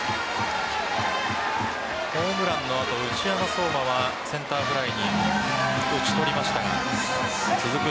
ホームランの後内山壮真はセンターフライに打ち取りましたが続く